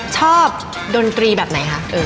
ดนตรีแบบไหนคะ